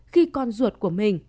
khi con ruột của mình